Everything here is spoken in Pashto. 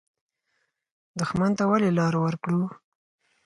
دښمن ته ولې لار ورکړو؟